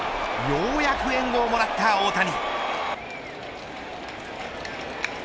ようやく援護をもらった大谷。